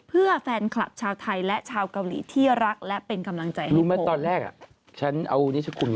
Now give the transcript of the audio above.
เพื่อแฟนคลับชาวไทยและชาวกาหลีที่รักและเป็นกำลังใจให้ผม